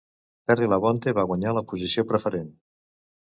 Terry Labonte va guanyar la posició preferent.